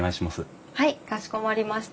はいかしこまりました。